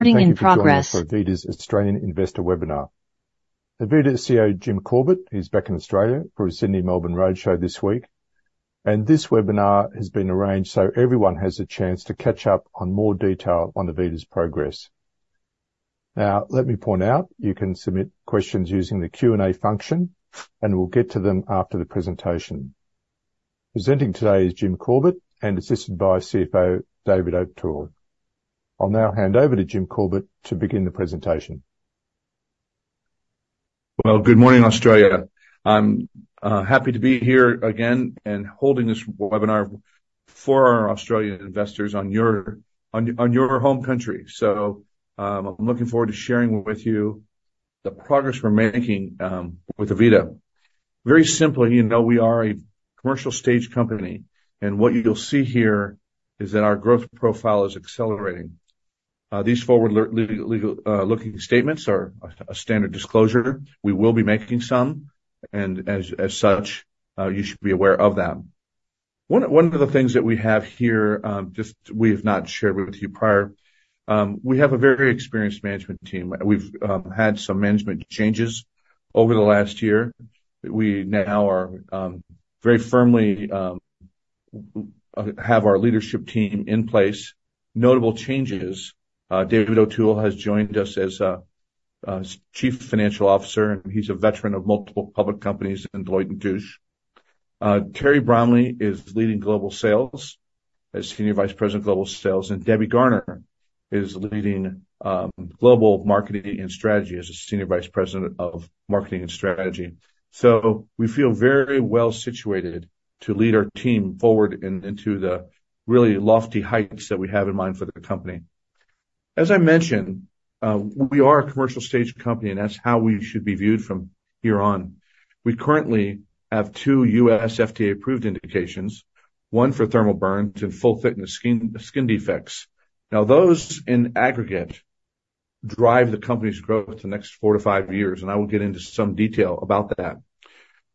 Thank you for joining us for AVITA's Australian Investor Webinar. AVITA's CEO, Jim Corbett, is back in Australia for his Sydney, Melbourne Roadshow this week, and this webinar has been arranged so everyone has a chance to catch up on more detail on AVITA's progress. Now, let me point out, you can submit questions using the Q&A function, and we'll get to them after the presentation. Presenting today is Jim Corbett, and assisted by CFO David O'Toole. I'll now hand over to Jim Corbett to begin the presentation. Well, good morning, Australia. I'm happy to be here again and holding this webinar for our Australian investors on your home country. So, I'm looking forward to sharing with you the progress we're making with Avita. Very simply, you know, we are a commercial stage company, and what you'll see here is that our growth profile is accelerating. These forward-looking statements are a standard disclosure. We will be making some, and as such, you should be aware of them. One of the things that we have here, just we have not shared with you prior, we have a very experienced management team. We've had some management changes over the last year. We now are very firmly have our leadership team in place. Notable changes, David O'Toole has joined us as Chief Financial Officer, and he's a veteran of multiple public companies and Deloitte & Touche. Terry Bromley is leading global sales as Senior Vice President of Global Sales, and Debbie Garner is leading global marketing and strategy as the Senior Vice President of Marketing and Strategy. So we feel very well situated to lead our team forward into the really lofty heights that we have in mind for the company. As I mentioned, we are a commercial stage company, and that's how we should be viewed from here on. We currently have two U.S. FDA-approved indications, one for thermal burns and full-thickness skin defects. Now, those in aggregate drive the company's growth the next four to five years, and I will get into some detail about that.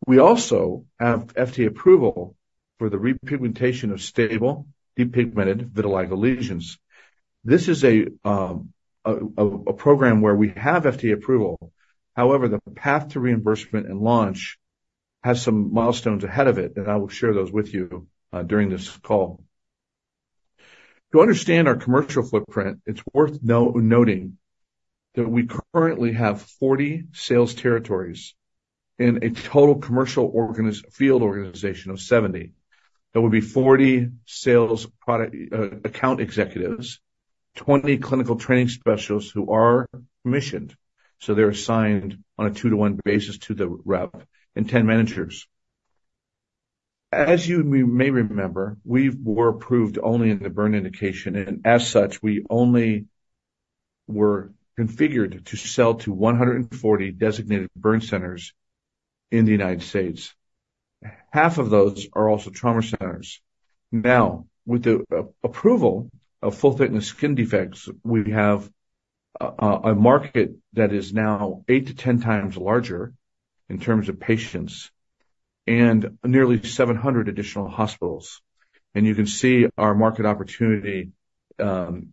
We also have FDA approval for the repigmentation of stable depigmented vitiligo lesions. This is a program where we have FDA approval. However, the path to reimbursement and launch has some milestones ahead of it, and I will share those with you during this call. To understand our commercial footprint, it's worth noting that we currently have 40 sales territories and a total commercial field organization of 70. That would be 40 sales product account executives, 20 clinical training specialists who are commissioned, so they're assigned on a 2-to-1 basis to the rep, and 10 managers. As you may remember, we were approved only in the burn indication, and as such, we only were configured to sell to 140 designated burn centers in the United States. Half of those are also trauma centers. Now, with the approval of full-thickness skin defects, we have a market that is now 8-10 times larger in terms of patients and nearly 700 additional hospitals. You can see our market opportunity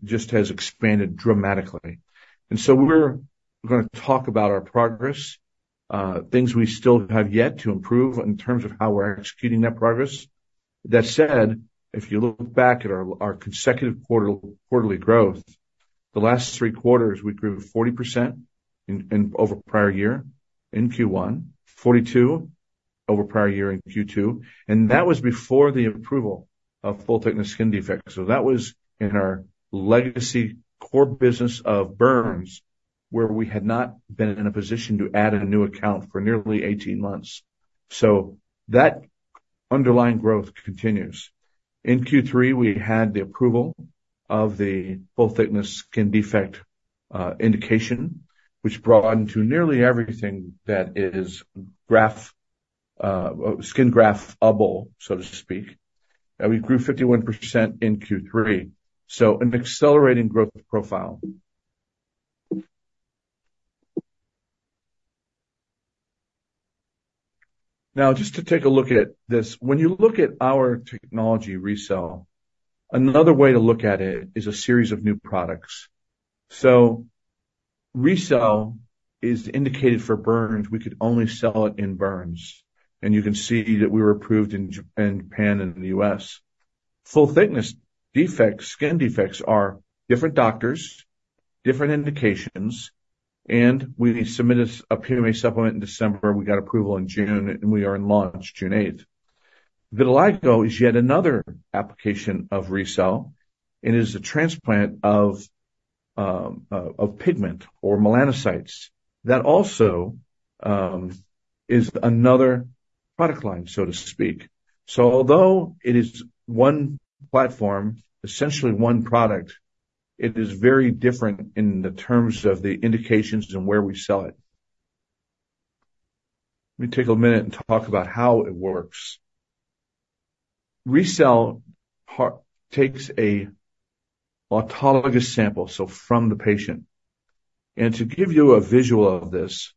just has expanded dramatically. So we're gonna talk about our progress, things we still have yet to improve in terms of how we're executing that progress. That said, if you look back at our consecutive quarterly growth, the last three quarters, we grew 40% over prior year in Q1, 42% over prior year in Q2, and that was before the approval of full-thickness skin defects. So that was in our legacy core business of burns, where we had not been in a position to add a new account for nearly 18 months. So that underlying growth continues. In Q3, we had the approval of the full-thickness skin defect indication, which broadened to nearly everything that is grapt skin graph-able, so to speak. We grew 51% in Q3, so an accelerating growth profile. Now, just to take a look at this. When you look at our technology, RECELL, another way to look at it is a series of new products. So RECELL is indicated for burns. We could only sell it in burns, and you can see that we were approved in Japan and in the U.S. Full-thickness defects, skin defects, are different doctors, different indications, and we submitted a PMA supplement in December. We got approval in June, and we are in launch June eighth. Vitiligo is yet another application of RECELL and is a transplant of pigment or melanocytes. That also is another product line, so to speak. So although it is one platform, essentially one product, it is very different in the terms of the indications and where we sell it. Let me take a minute and talk about how it works. RECELL takes a autologous sample, so from the patient. And to give you a visual of this,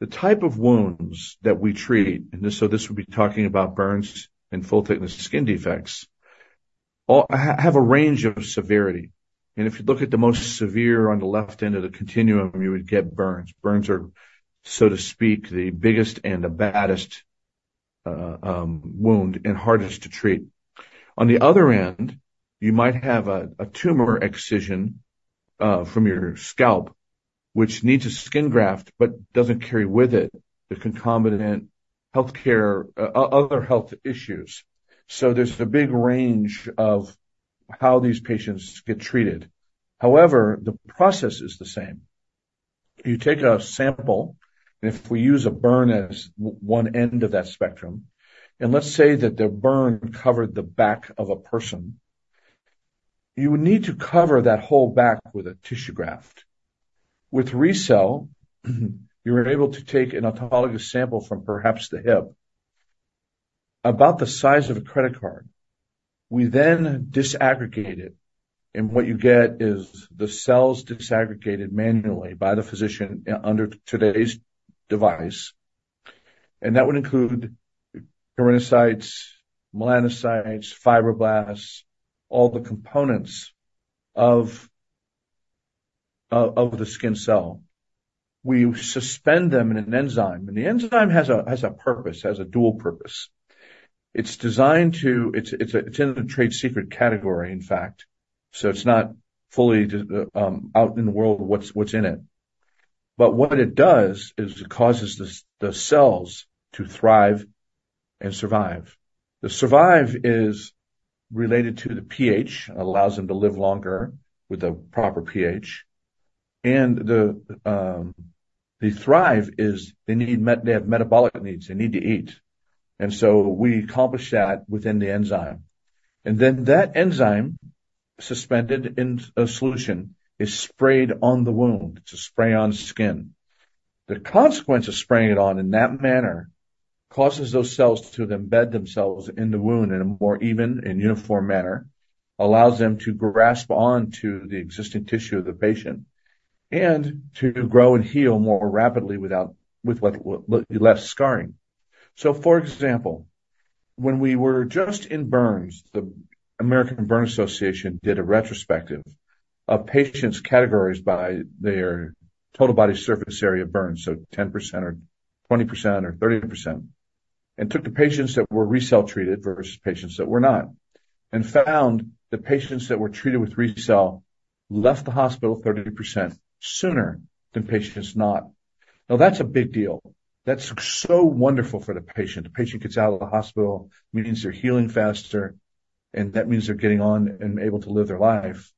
the type of wounds that we treat, and so this would be talking about burns and full-thickness skin defects, all have a range of severity. And if you look at the most severe on the left end of the continuum, you would get burns. Burns are, so to speak, the biggest and the baddest wound and hardest to treat. On the other end, you might have a tumor excision from your scalp, which needs a skin graft but doesn't carry with it the concomitant healthcare other health issues. So there's a big range of how these patients get treated. However, the process is the same. You take a sample, and if we use a burn as one end of that spectrum, and let's say that the burn covered the back of a person, you would need to cover that whole back with a tissue graft. With RECELL, you are able to take an autologous sample from perhaps the hip, about the size of a credit card. We then disaggregate it, and what you get is the cells disaggregated manually by the physician under today's device, and that would include keratinocytes, melanocytes, fibroblasts, all the components of the skin cell. We suspend them in an enzyme, and the enzyme has a purpose, a dual purpose. It's designed to. It's a trade secret, in fact, so it's not fully out in the world what's in it. But what it does is it causes the cells to thrive and survive. The survival is related to the pH, allows them to live longer with the proper pH. And the thriving is they have metabolic needs. They need to eat. And so we accomplish that within the enzyme. And then that enzyme, suspended in a solution, is sprayed on the wound. It's a spray-on skin. The consequence of spraying it on in that manner causes those cells to then embed themselves in the wound in a more even and uniform manner, allows them to grasp on to the existing tissue of the patient and to grow and heal more rapidly without with what less scarring. So for example, when we were just in burns, the American Burn Association did a retrospective of patients categories by their total body surface area of burns, so 10% or 20% or 30%, and took the patients that were RECELL treated versus patients that were not, and found the patients that were treated with RECELL left the hospital 30% sooner than patients not. Now, that's a big deal. That's so wonderful for the patient. The patient gets out of the hospital, means they're healing faster, and that means they're getting on and able to live their life.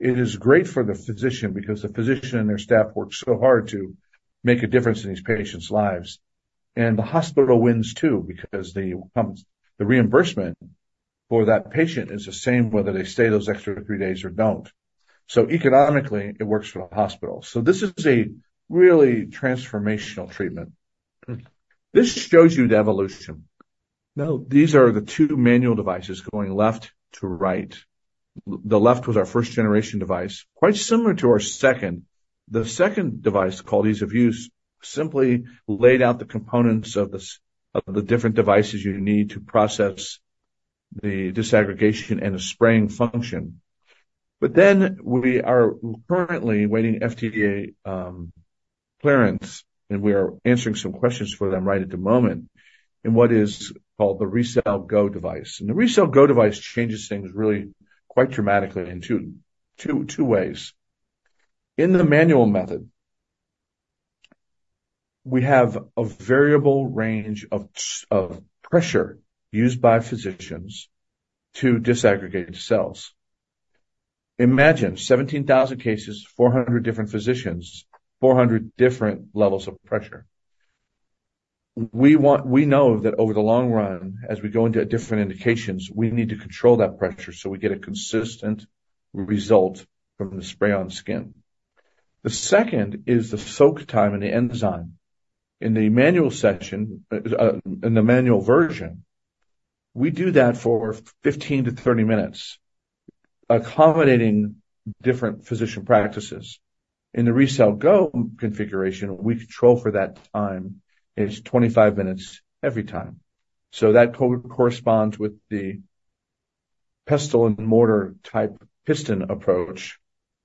It is great for the physician because the physician and their staff work so hard to make a difference in these patients' lives. The hospital wins, too, because the reimbursement for that patient is the same whether they stay those extra three days or don't. So economically, it works for the hospital. So this is a really transformational treatment. This shows you the evolution. Now, these are the two manual devices going left to right. The left was our first generation device, quite similar to our second. The second device, called Ease of Use, simply laid out the components of the different devices you need to process the disaggregation and the spraying function. But then we are currently waiting FDA clearance, and we are answering some questions for them right at the moment in what is called the RECELL GO device. And the RECELL GO device changes things really quite dramatically in 2, 2, 2 ways. In the manual method, we have a variable range of of pressure used by physicians to disaggregate the cells. Imagine 17,000 cases, 400 different physicians, 400 different levels of pressure. We want. We know that over the long run, as we go into different indications, we need to control that pressure so we get a consistent result from the spray-on skin. The second is the soak time and the enzyme. In the manual section, in the manual version, we do that for 15-30 minutes, accommodating different physician practices. In the RECELL GO configuration, we control for that time, is 25 minutes every time. So that corresponds with the pestle and mortar type piston approach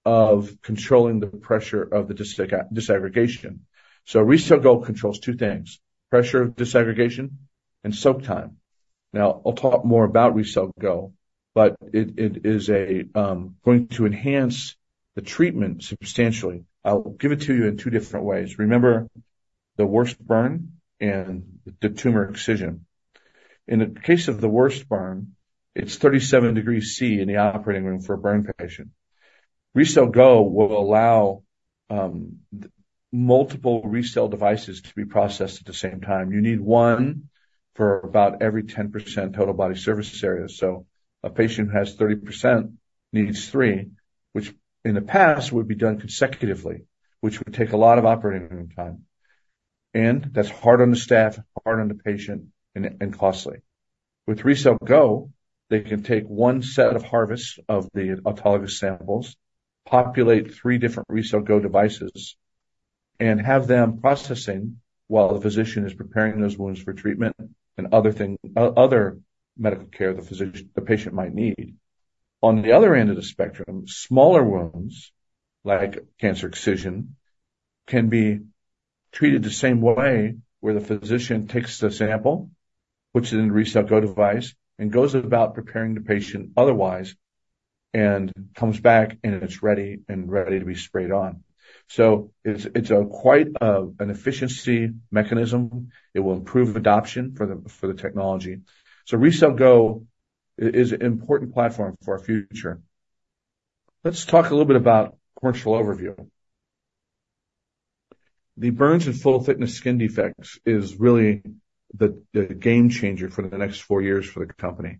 of controlling the pressure of the disaggregation. So RECELL GO controls two things: pressure disaggregation and soak time. Now, I'll talk more about RECELL GO, but it is going to enhance the treatment substantially. I'll give it to you in two different ways. Remember, the worst burn and the tumor excision. In the case of the worst burn, it's 37 degrees Celsius in the operating room for a burn patient. RECELL GO will allow multiple RECELL devices to be processed at the same time. You need one for about every 10% total body surface area, so a patient who has 30% needs three, which in the past, would be done consecutively, which would take a lot of operating room time. And that's hard on the staff, hard on the patient, and costly. With RECELL GO, they can take one set of harvest of the autologous samples, populate three different RECELL GO devices, and have them processing while the physician is preparing those wounds for treatment and other things, other medical care the physician, the patient might need. On the other end of the spectrum, smaller wounds, like cancer excision, can be treated the same way, where the physician takes the sample, puts it in the RECELL GO device, and goes about preparing the patient otherwise, and comes back, and it's ready, and ready to be sprayed on. So it's, it's a quite, an efficiency mechanism. It will improve adoption for the, for the technology. So RECELL GO is an important platform for our future. Let's talk a little bit about commercial overview. The burns and full-thickness skin defects is really the, the game changer for the next four years for the company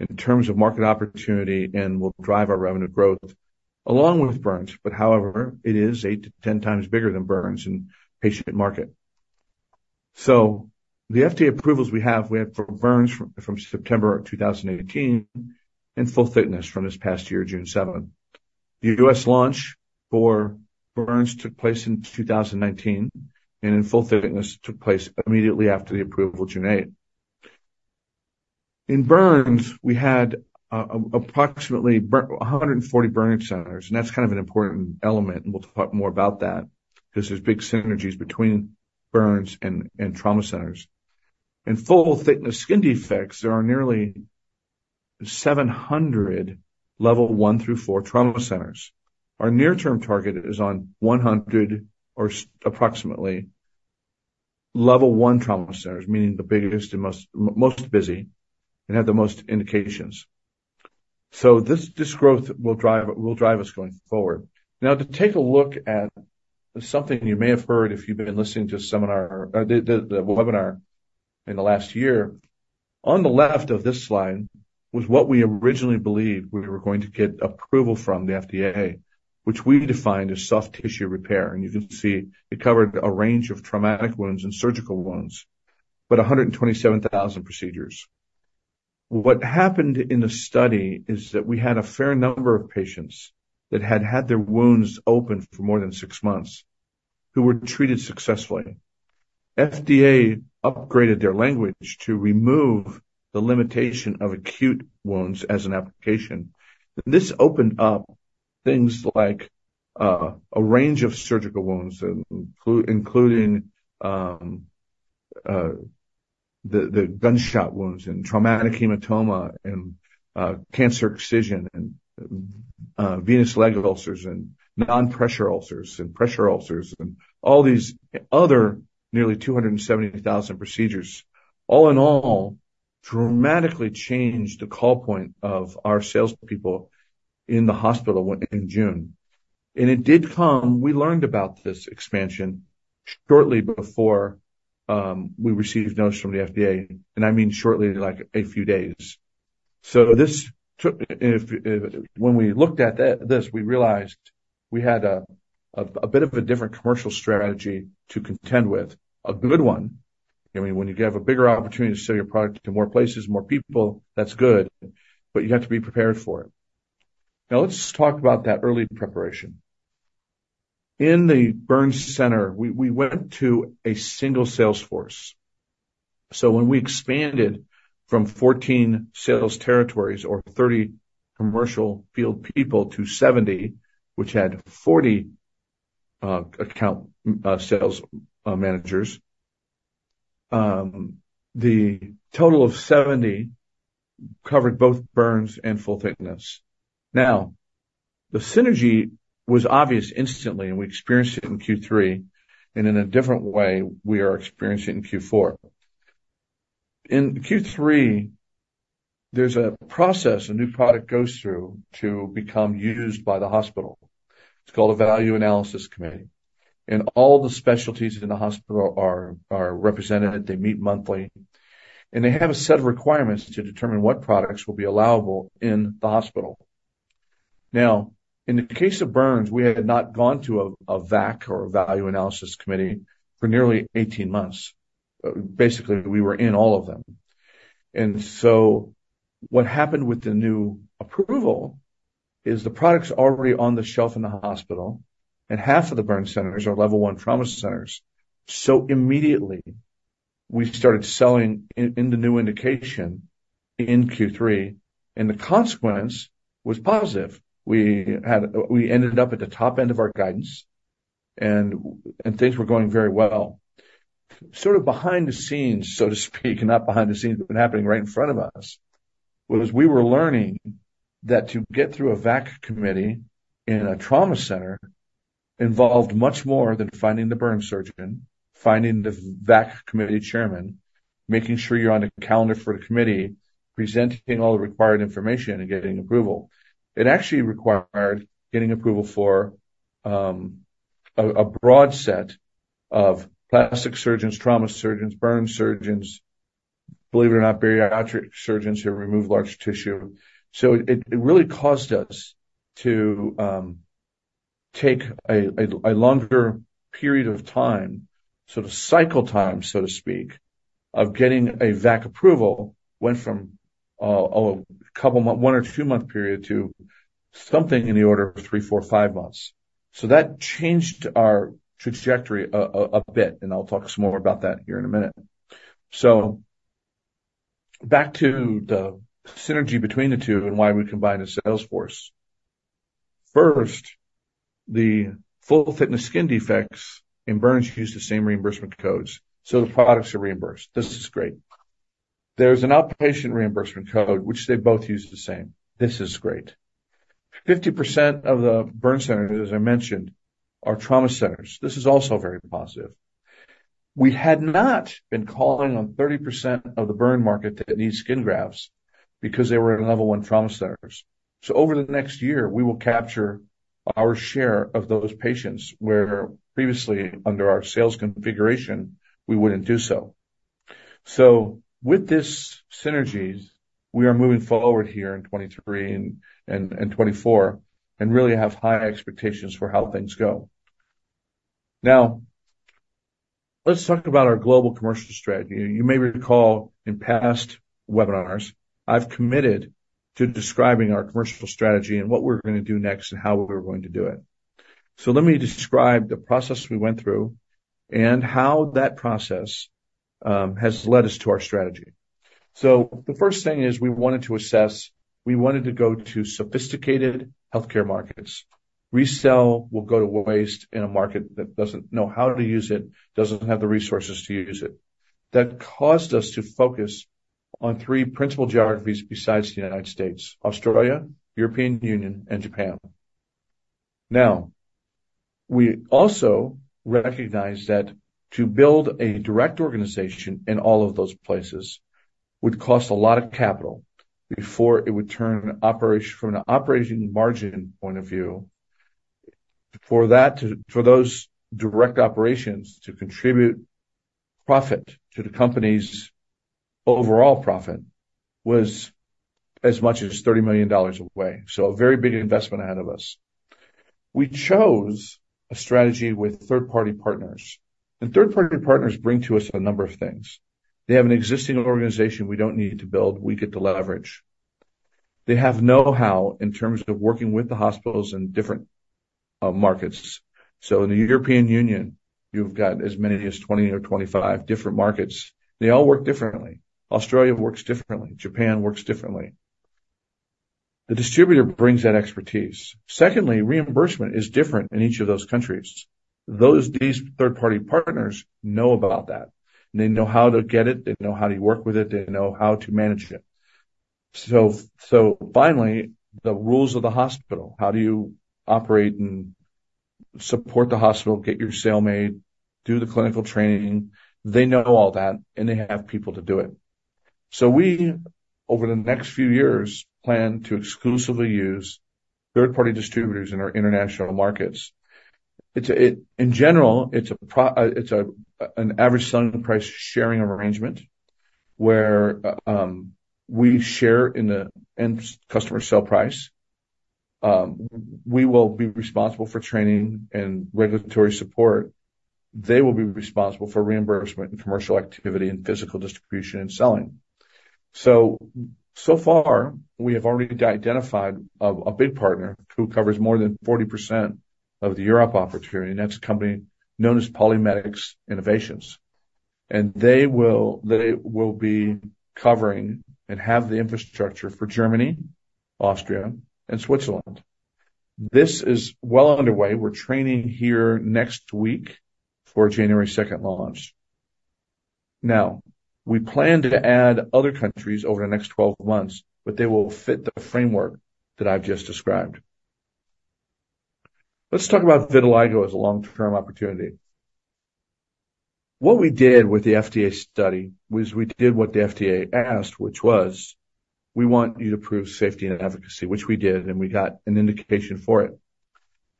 in terms of market opportunity and will drive our revenue growth along with burns. But however, it is 8-10 times bigger than burns in patient market. So the FDA approvals we have, we have for burns from September of 2018, and full-thickness from this past year, June 7. The U.S. launch for burns took place in 2019, and in full-thickness, took place immediately after the approval, June 8. In burns, we had approximately 140 burn centers, and that's kind of an important element, and we'll talk more about that because there's big synergies between burns and trauma centers. In full-thickness skin defects, there are nearly 700 level one through four trauma centers. Our near-term target is on 100 or approximately level one trauma centers, meaning the biggest and most busy and have the most indications. So this growth will drive us going forward. Now, to take a look at something you may have heard if you've been listening to some of our webinar in the last year. On the left of this slide was what we originally believed we were going to get approval from the FDA, which we defined as soft tissue repair, and you can see it covered a range of traumatic wounds and surgical wounds, about 127,000 procedures. What happened in the study is that we had a fair number of patients that had had their wounds open for more than six months, who were treated successfully. FDA upgraded their language to remove the limitation of acute wounds as an application. This opened up things like a range of surgical wounds, including the gunshot wounds and traumatic hematoma and cancer excision, and venous leg ulcers and non-pressure ulcers and pressure ulcers, and all these other nearly 270,000 procedures. All in all, dramatically changed the call point of our salespeople in the hospital when, in June. And it did come... We learned about this expansion shortly before we received notice from the FDA, and I mean shortly, like a few days. So this took... When we looked at this, we realized we had a bit of a different commercial strategy to contend with. A good one. I mean, when you have a bigger opportunity to sell your product to more places, more people, that's good, but you have to be prepared for it. Now, let's talk about that early preparation. In the burns center, we went to a single sales force. So when we expanded from 14 sales territories or 30 commercial field people to 70, which had 40 account sales managers, the total of 70 covered both burns and full thickness. Now, the synergy was obvious instantly, and we experienced it in Q3, and in a different way, we are experiencing it in Q4. In Q3, there's a process a new product goes through to become used by the hospital. It's called a Value Analysis Committee, and all the specialties in the hospital are represented. They meet monthly, and they have a set of requirements to determine what products will be allowable in the hospital. Now, in the case of burns, we had not gone to a VAC or a Value Analysis Committee for nearly 18 months. Basically, we were in all of them. So what happened with the new approval is the product's already on the shelf in the hospital, and half of the burn centers are level one trauma centers. So immediately, we started selling in the new indication in Q3, and the consequence was positive. We ended up at the top end of our guidance, and things were going very well. Sort of behind the scenes, so to speak, not behind the scenes, but happening right in front of us, was we were learning that to get through a VAC committee in a trauma center involved much more than finding the burn surgeon, finding the VAC committee chairman, making sure you're on the calendar for the committee, presenting all the required information and getting approval. It actually required getting approval for a broad set of plastic surgeons, trauma surgeons, burn surgeons. Believe it or not, bariatric surgeons who remove large tissue. So it really caused us to take a longer period of time, sort of cycle time, so to speak, of getting a VAC approval, went from a couple months, one- or two-month period to something in the order of 3, 4, 5 months. So that changed our trajectory a bit, and I'll talk some more about that here in a minute. So back to the synergy between the two and why we combined the sales force. First, the full-thickness skin defects and burns use the same reimbursement codes, so the products are reimbursed. This is great. There's an outpatient reimbursement code, which they both use the same. This is great. 50% of the burn centers, as I mentioned, are trauma centers. This is also very positive. We had not been calling on 30% of the burn market that needs skin grafts because they were in level one trauma centers. So over the next year, we will capture our share of those patients, where previously under our sales configuration, we wouldn't do so. So with this synergies, we are moving forward here in 2023 and 2024, and really have high expectations for how things go. Now, let's talk about our global commercial strategy. You may recall in past webinars, I've committed to describing our commercial strategy and what we're gonna do next and how we're going to do it. So let me describe the process we went through and how that process has led us to our strategy. So the first thing is we wanted to go to sophisticated healthcare markets. RECELL will go to waste in a market that doesn't know how to use it, doesn't have the resources to use it. That caused us to focus on three principal geographies besides the United States: Australia, European Union, and Japan. Now, we also recognized that to build a direct organization in all of those places would cost a lot of capital before it would turn operational from an operating margin point of view. For those direct operations to contribute profit to the company's overall profit was as much as $30 million away. So a very big investment ahead of us. We chose a strategy with third-party partners, and third-party partners bring to us a number of things. They have an existing organization we don't need to build, we get to leverage. They have know-how in terms of working with the hospitals in different markets. So in the European Union, you've got as many as 20 or 25 different markets. They all work differently. Australia works differently. Japan works differently. The distributor brings that expertise. Secondly, reimbursement is different in each of those countries. These third-party partners know about that, and they know how to get it, they know how to work with it, they know how to manage it. So finally, the rules of the hospital. How do you operate and support the hospital, get your sale made, do the clinical training? They know all that, and they have people to do it. So we, over the next few years, plan to exclusively use third-party distributors in our international markets. It's a—In general, it's a pro, it's a, an average selling price sharing arrangement where we share in the end customer sale price. We will be responsible for training and regulatory support. They will be responsible for reimbursement and commercial activity and physical distribution and selling. So far, we have already identified a big partner who covers more than 40% of the Europe opportunity, and that's a company known as PolyMedics Innovations. They will be covering and have the infrastructure for Germany, Austria, and Switzerland. This is well underway. We're training here next week for a January second launch. Now, we plan to add other countries over the next 12 months, but they will fit the framework that I've just described. Let's talk about vitiligo as a long-term opportunity. What we did with the FDA study was we did what the FDA asked, which was: We want you to prove safety and efficacy, which we did, and we got an indication for it.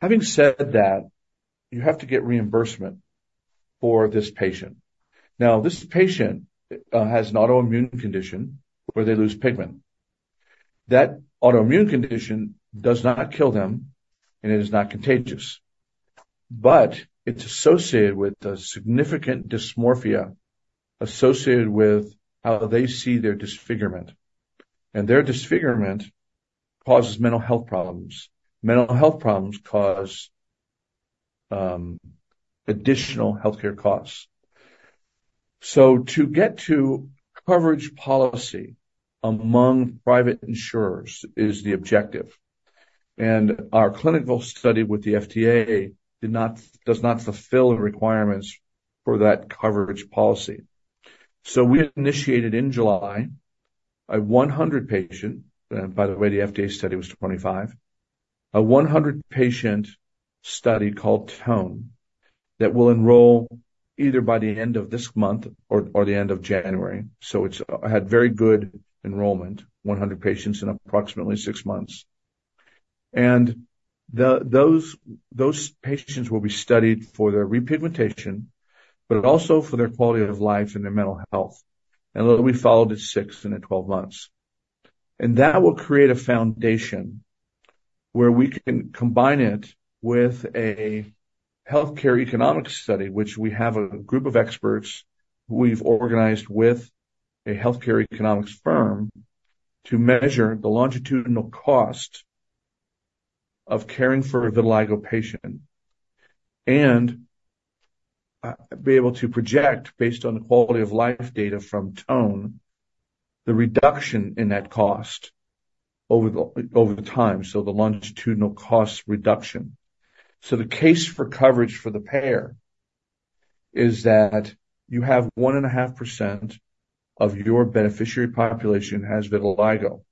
Having said that, you have to get reimbursement for this patient. Now, this patient has an autoimmune condition where they lose pigment. That autoimmune condition does not kill them, and it is not contagious, but it's associated with a significant dysmorphia associated with how they see their disfigurement, and their disfigurement causes mental health problems. Mental health problems cause additional healthcare costs. So to get to coverage policy among private insurers is the objective, and our clinical study with the FDA did not, does not fulfill the requirements for that coverage policy. So we initiated in July a 100-patient, and by the way, the FDA study was 25, a 100-patient study called TONE, that will enroll either by the end of this month or the end of January. So it's had very good enrollment, 100 patients in approximately six months. And those patients will be studied for their repigmentation, but also for their quality of life and their mental health. And they'll be followed at 6 and 12 months. And that will create a foundation where we can combine it with a healthcare economic study, which we have a group of experts who we've organized with a healthcare economics firm, to measure the longitudinal cost of caring for a vitiligo patient. And be able to project, based on the quality of life data from TONE, the reduction in that cost over the, over time, so the longitudinal cost reduction. So the case for coverage for the payer is that you have 1.5% of your beneficiary population has vitiligo,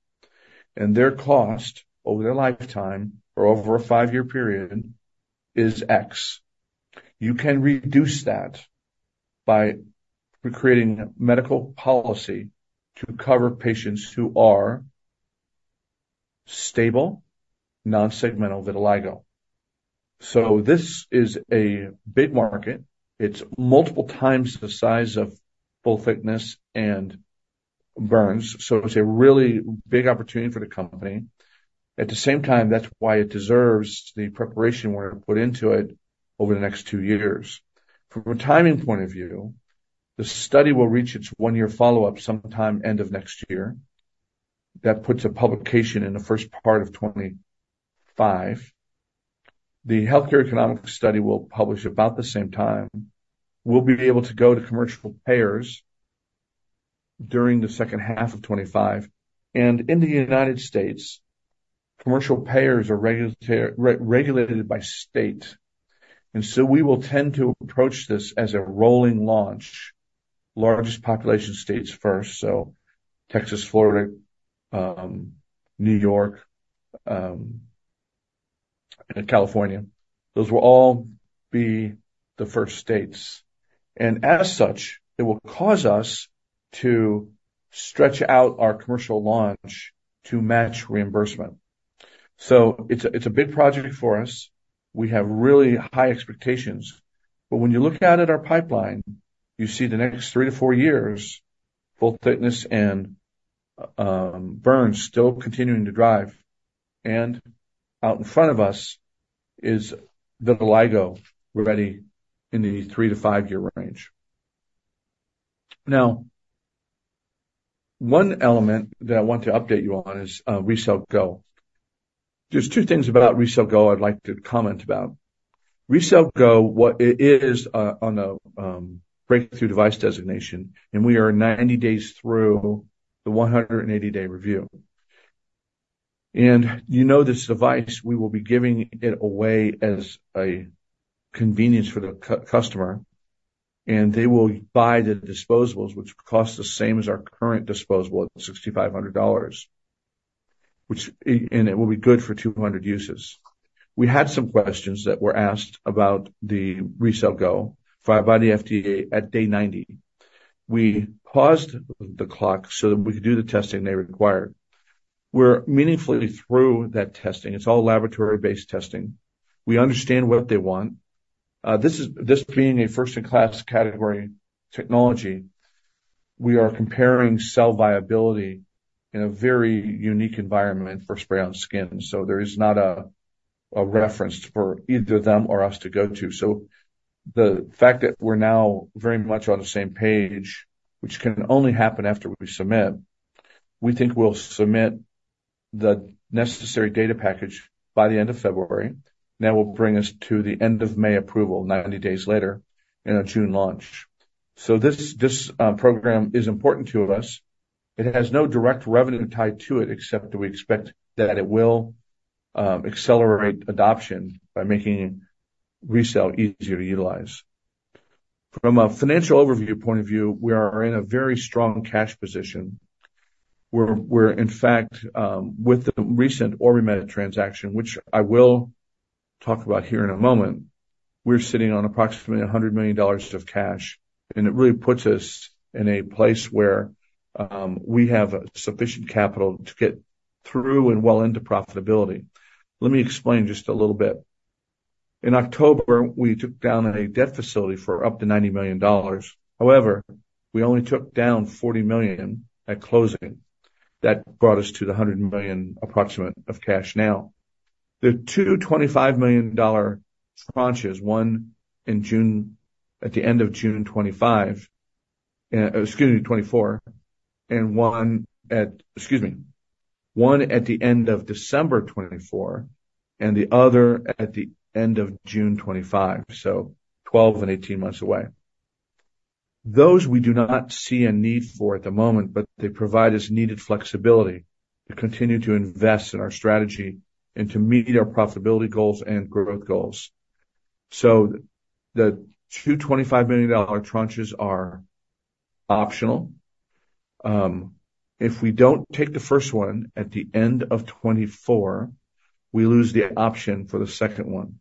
and their cost over their lifetime or over a 5-year period is X. You can reduce that by creating medical policy to cover patients who are stable, non-segmental vitiligo. So this is a big market. It's multiple times the size of full-thickness and burns, so it's a really big opportunity for the company. At the same time, that's why it deserves the preparation we're going to put into it over the next two years. From a timing point of view, the study will reach its one-year follow-up sometime end of next year. That puts a publication in the first part of 2025. The healthcare economic study will publish about the same time. We'll be able to go to commercial payers during the second half of 2025, and in the United States, commercial payers are regulated by state. And so we will tend to approach this as a rolling launch, largest population states first, so Texas, Florida, New York, and California. Those will all be the first states, and as such, it will cause us to stretch out our commercial launch to match reimbursement. So it's a big project for us. We have really high expectations, but when you look out at our pipeline, you see the next 3-4 years, full thickness and burns still continuing to drive. And out in front of us is vitiligo, ready in the 3-5-year range. Now, one element that I want to update you on is RECELL GO. There's two things about RECELL GO I'd like to comment about. RECELL GO, what it is, on a breakthrough device designation, and we are 90 days through the 180-day review. And you know, this device, we will be giving it away as a convenience for the customer, and they will buy the disposables, which cost the same as our current disposable at $6,500, and it will be good for 200 uses. We had some questions that were asked about the RECELL GO filing by the FDA at Day 90. We paused the clock so that we could do the testing they required. We're meaningfully through that testing. It's all laboratory-based testing. We understand what they want. This being a first-in-class category technology, we are comparing cell viability in a very unique environment for spray-on skin. So there is not a reference for either them or us to go to. So the fact that we're now very much on the same page, which can only happen after we submit, we think we'll submit the necessary data package by the end of February. That will bring us to the end of May approval, 90 days later, in a June launch. So this program is important to us. It has no direct revenue tied to it, except that we expect that it will accelerate adoption by making RECELL easier to utilize. From a financial overview point of view, we are in a very strong cash position, where in fact, with the recent OrbiMed transaction, which I will talk about here in a moment, we're sitting on approximately $100 million of cash, and it really puts us in a place where we have sufficient capital to get through and well into profitability. Let me explain just a little bit. In October, we took down a debt facility for up to $90 million. However, we only took down $40 million at closing. That brought us to approximately $100 million of cash now. The two $25 million tranches, one in June, at the end of June 2024, excuse me, 2024, and one at... Excuse me. One at the end of December 2024, and the other at the end of June 2025, so 12 and 18 months away. Those we do not see a need for at the moment, but they provide us needed flexibility to continue to invest in our strategy and to meet our profitability goals and growth goals. So the two $25 million tranches are optional. If we don't take the first one at the end of 2024, we lose the option for the second one.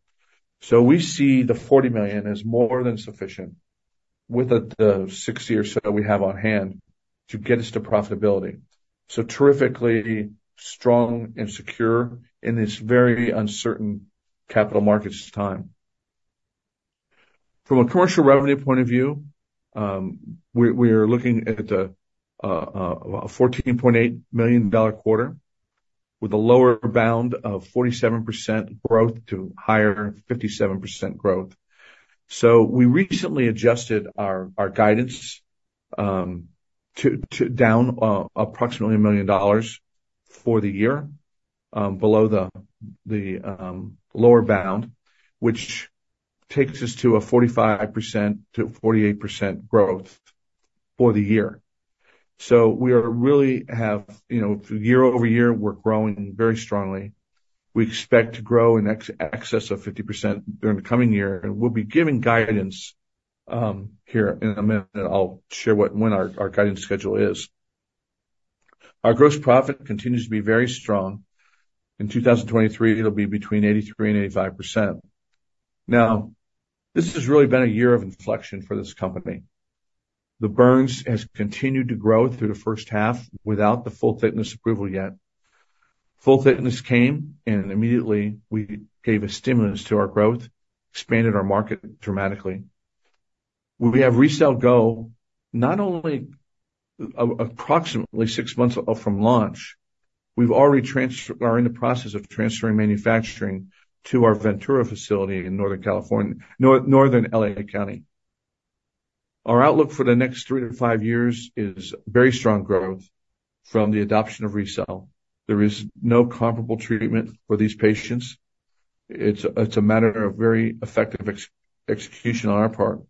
So we see the $40 million as more than sufficient, with the, the 60 or so that we have on hand to get us to profitability. So terrifically strong and secure in this very uncertain capital markets time. From a commercial revenue point of view, we, we are looking at a, a, a $14.8 million quarter with a lower bound of 47% growth to higher, 57% growth. So we recently adjusted our, our guidance, to, to down, approximately $1 million for the year, below the, the, lower bound, which takes us to a 45%-48% growth for the year. So we are really have, you know, year-over-year, we're growing very strongly. We expect to grow in excess of 50% during the coming year, and we'll be giving guidance here in a minute, and I'll share what and when our guidance schedule is. Our gross profit continues to be very strong. In 2023, it'll be between 83% and 85%. Now, this has really been a year of inflection for this company. The burns has continued to grow through the first half without the full thickness approval yet. Full thickness came, and immediately we gave a stimulus to our growth, expanded our market dramatically. We have RECELL GO! Not only approximately six months from launch, we've already are in the process of transferring manufacturing to our Ventura facility in Northern California... Northern Los Angeles County. Our outlook for the next three to five years is very strong growth from the adoption of RECELL. There is no comparable treatment for these patients. It's a matter of very effective execution on our part.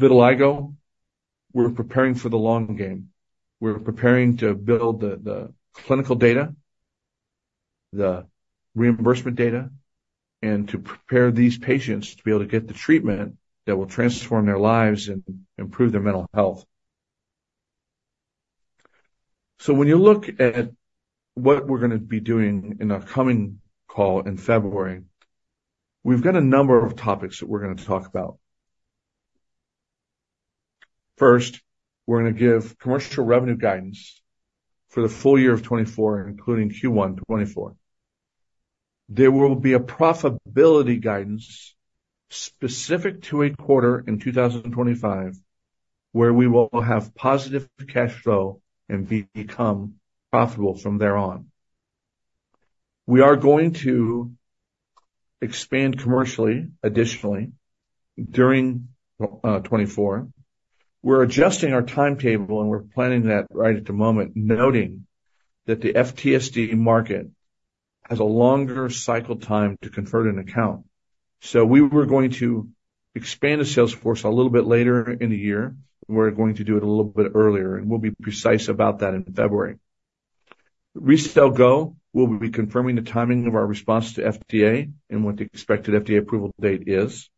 Vitiligo, we're preparing for the long game. We're preparing to build the clinical data, the reimbursement data, and to prepare these patients to be able to get the treatment that will transform their lives and improve their mental health. So when you look at what we're going to be doing in our coming call in February, we've got a number of topics that we're going to talk about. First, we're going to give commercial revenue guidance for the full year of 2024, including Q1 2024. There will be a profitability guidance specific to a quarter in 2025, where we will have positive cash flow and become profitable from thereon. We are going to expand commercially, additionally, during 2024. We're adjusting our timetable, and we're planning that right at the moment, noting that the FTSD market has a longer cycle time to convert an account. So we were going to expand the sales force a little bit later in the year. We're going to do it a little bit earlier, and we'll be precise about that in February. RECELL GO! We'll be confirming the timing of our response to FDA and what the expected FDA approval date is.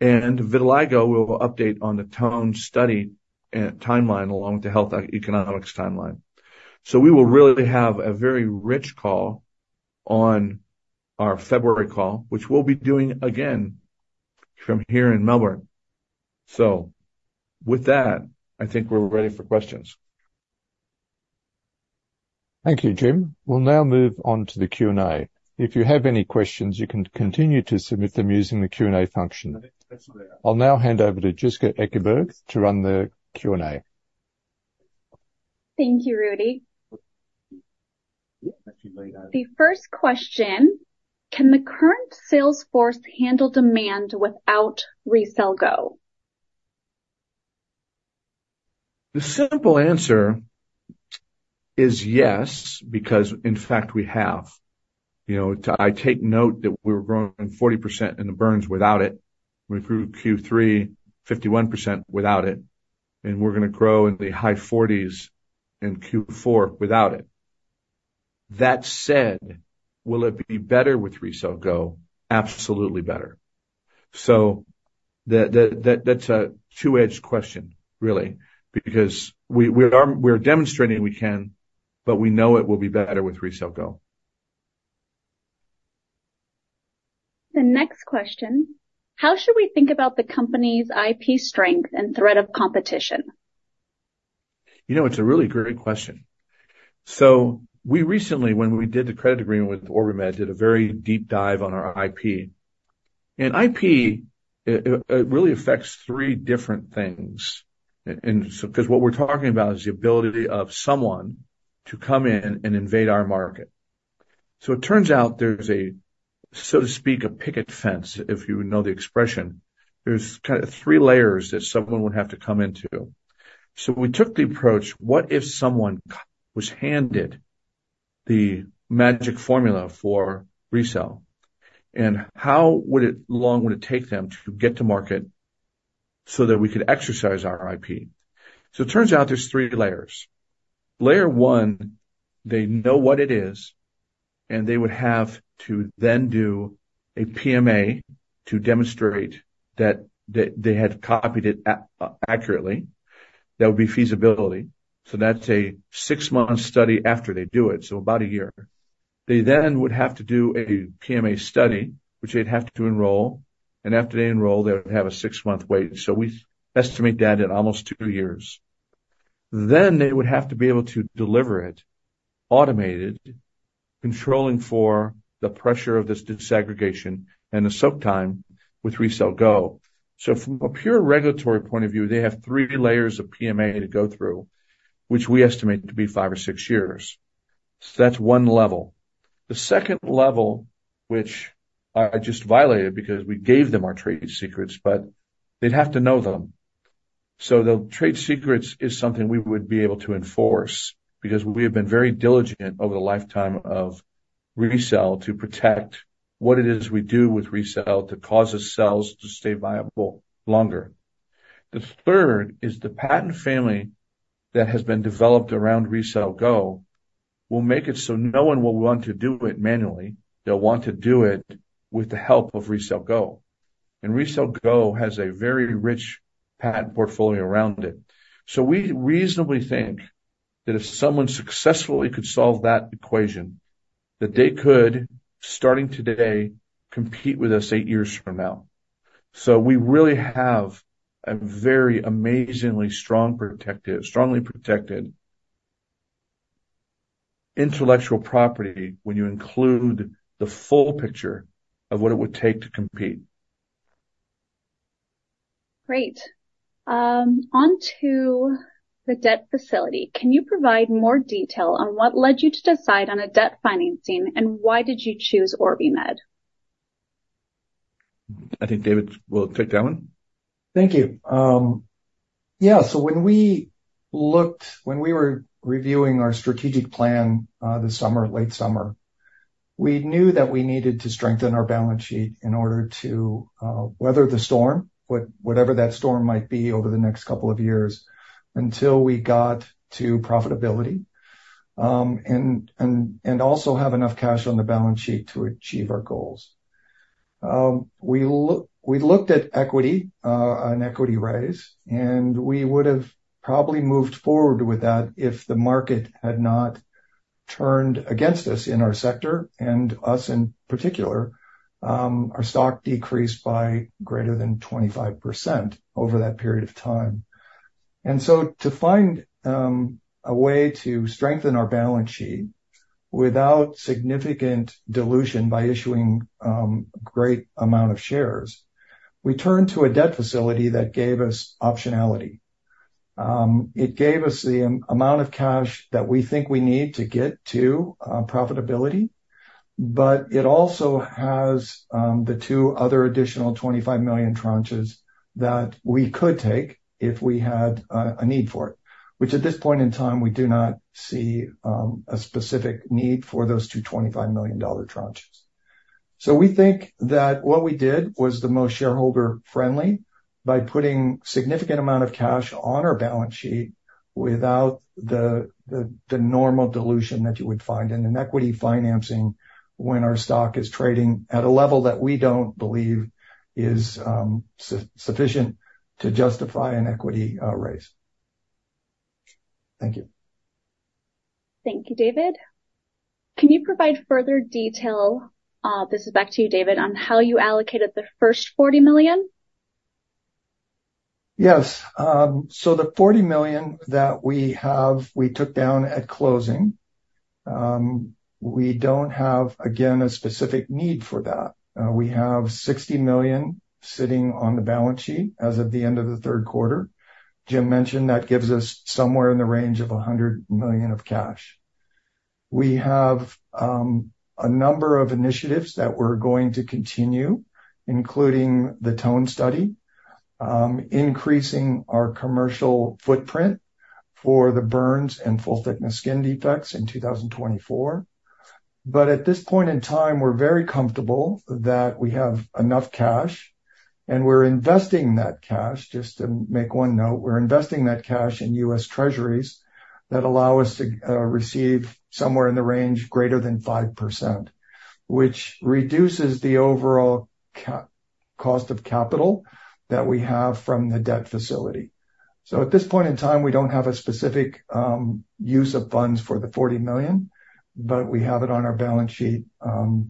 And Vitiligo, we'll update on the TONE study and timeline, along with the health economics timeline. So we will really have a very rich call on our February call, which we'll be doing again from here in Melbourne. So with that, I think we're ready for questions. Thank you, Jim. We'll now move on to the Q&A. If you have any questions, you can continue to submit them using the Q&A function. I'll now hand over to Jessica Ekeberg to run the Q&A. Thank you, Rudy. The first question: Can the current sales force handle demand without RECELL GO? The simple answer is yes, because, in fact, we have. You know, I take note that we were growing 40% in the burns without it. We grew Q3 51% without it, and we're going to grow in the high 40s% in Q4 without it. That said, will it be better with RECELL GO? Absolutely better. So that's a two-edged question, really, because we are demonstrating we can, but we know it will be better with RECELL GO. The next question: How should we think about the company's IP strength and threat of competition? You know, it's a really great question. So we recently, when we did the credit agreement with OrbiMed, did a very deep dive on our IP. And IP, it really affects three different things. And so, because what we're talking about is the ability of someone to come in and invade our market. So it turns out there's a, so to speak, a picket fence, if you know the expression. There's kind of three layers that someone would have to come into. So we took the approach, what if someone was handed the magic formula for RECELL? And how long would it take them to get to market so that we could exercise our IP? So it turns out there's three layers. Layer one, they know what it is, and they would have to then do a PMA to demonstrate that they had copied it accurately. That would be feasibility. So that's a 6-month study after they do it, so about a year. They then would have to do a PMA study, which they'd have to enroll, and after they enroll, they would have a 6-month wait. So we estimate that at almost 2 years. Then they would have to be able to deliver it, automated, controlling for the pressure of this disaggregation and the soak time with RECELL GO. So from a pure regulatory point of view, they have three layers of PMA to go through, which we estimate to be 5 or 6 years. So that's one level. The second level, which I just violated because we gave them our trade secrets, but they'd have to know them. So the trade secrets is something we would be able to enforce because we have been very diligent over the lifetime of RECELL to protect what it is we do with RECELL to cause the cells to stay viable longer. The third is the patent family that has been developed around RECELL GO will make it so no one will want to do it manually. They'll want to do it with the help of RECELL GO. And RECELL GO has a very rich patent portfolio around it. So we reasonably think that if someone successfully could solve that equation, that they could, starting today, compete with us eight years from now. So we really have a very amazingly strongly protected intellectual property when you include the full picture of what it would take to compete. Great. On to the debt facility. Can you provide more detail on what led you to decide on a debt financing, and why did you choose OrbiMed? I think David will take that one. Thank you. Yeah, so when we were reviewing our strategic plan this summer, late summer, we knew that we needed to strengthen our balance sheet in order to weather the storm, whatever that storm might be over the next couple of years, until we got to profitability, and also have enough cash on the balance sheet to achieve our goals. We looked at equity, an equity raise, and we would have probably moved forward with that if the market had not turned against us in our sector, and us in particular. Our stock decreased by greater than 25% over that period of time. To find a way to strengthen our balance sheet without significant dilution by issuing great amount of shares, we turned to a debt facility that gave us optionality. It gave us the amount of cash that we think we need to get to profitability, but it also has the two other additional $25 million tranches that we could take if we had a need for it, which at this point in time, we do not see a specific need for those two $25 million tranches. So we think that what we did was the most shareholder-friendly by putting significant amount of cash on our balance sheet without the normal dilution that you would find in an equity financing when our stock is trading at a level that we don't believe is sufficient to justify an equity raise. Thank you. Thank you, David. Can you provide further detail, this is back to you, David, on how you allocated the first $40 million? Yes. So the $40 million that we have, we took down at closing. We don't have, again, a specific need for that. We have $60 million sitting on the balance sheet as of the end of the Q3. Jim mentioned that gives us somewhere in the range of $100 million of cash. We have a number of initiatives that we're going to continue, including the TONE Study, increasing our commercial footprint for the burns and full-thickness skin defects in 2024. But at this point in time, we're very comfortable that we have enough cash, and we're investing that cash, just to make one note, we're investing that cash in US Treasuries that allow us to receive somewhere in the range greater than 5%, which reduces the overall cost of capital that we have from the debt facility. At this point in time, we don't have a specific use of funds for the $40 million, but we have it on our balance sheet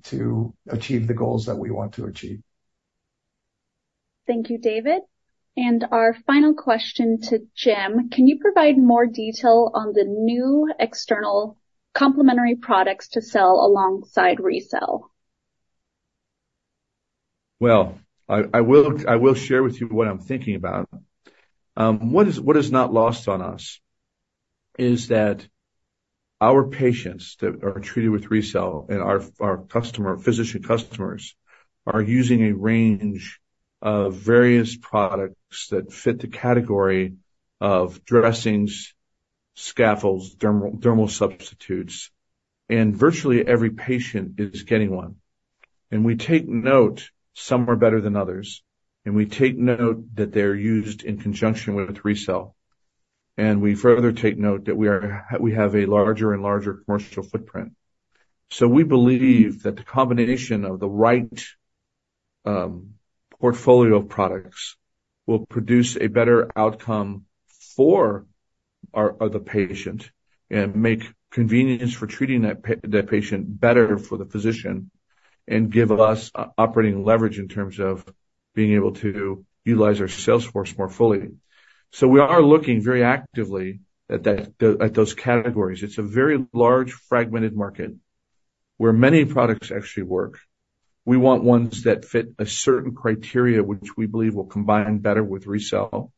to achieve the goals that we want to achieve. Thank you, David. Our final question to Jim: Can you provide more detail on the new external complementary products to sell alongside RECELL? Well, I will share with you what I'm thinking about. What is not lost on us is that our patients that are treated with RECELL and our customer, physician customers, are using a range of various products that fit the category of dressings, scaffolds, dermal substitutes, and virtually every patient is getting one. And we take note, some are better than others, and we take note that they're used in conjunction with RECELL. And we further take note that we are, we have a larger and larger commercial footprint. So we believe that the combination of the portfolio of products will produce a better outcome for the patient, and make convenience for treating that patient better for the physician, and give us operating leverage in terms of being able to utilize our sales force more fully. So we are looking very actively at that, at those categories. It's a very large, fragmented market where many products actually work. We want ones that fit a certain criteria, which we believe will combine better with RECELL.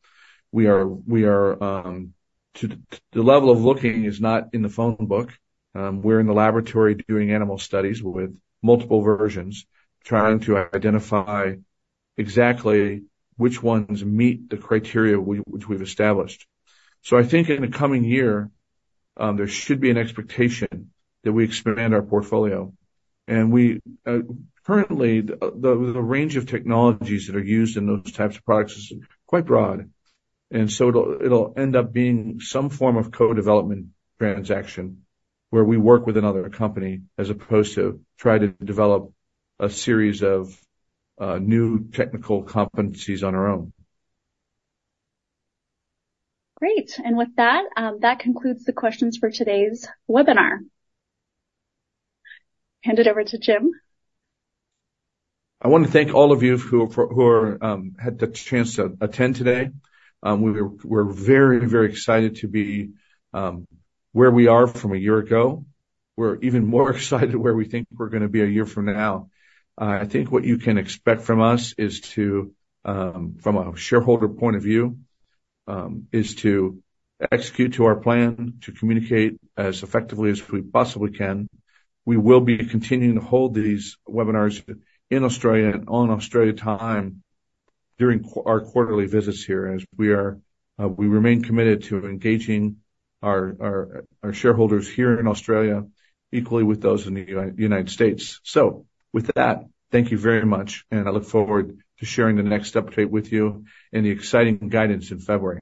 We are at the level of looking is not in the phone book. We're in the laboratory doing animal studies with multiple versions, trying to identify exactly which ones meet the criteria which we've established. So I think in the coming year there should be an expectation that we expand our portfolio. And we currently the range of technologies that are used in those types of products is quite broad, and so it'll end up being some form of co-development transaction where we work with another company as opposed to try to develop a series of new technical competencies on our own. Great. With that, that concludes the questions for today's webinar. Hand it over to Jim. I want to thank all of you who had the chance to attend today. We're very, very excited to be where we are from a year ago. We're even more excited where we think we're gonna be a year from now. I think what you can expect from us is, from a shareholder point of view, to execute to our plan, to communicate as effectively as we possibly can. We will be continuing to hold these webinars in Australia and on Australia time during our quarterly visits here, as we remain committed to engaging our shareholders here in Australia, equally with those in the United States. So with that, thank you very much, and I look forward to sharing the next update with you and the exciting guidance in February.